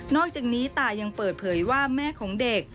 อกจากนี้ตายังเปิดเผยว่าแม่ของเด็ก